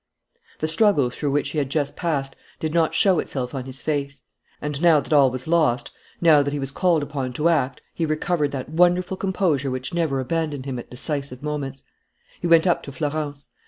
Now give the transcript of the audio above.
The struggle through which he had just passed did not show itself on his face; and, now that all was lost, now that he was called upon to act, he recovered that wonderful composure which never abandoned him at decisive moments. He went up to Florence.